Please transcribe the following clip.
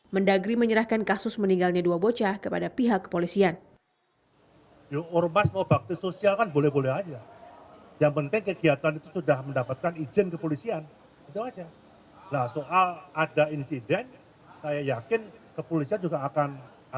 mendagri menyerahkan kasus meninggalnya dua bocah kepada pihak kepolisian